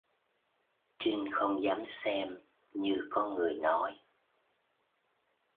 Trinh không dám xem như có người nói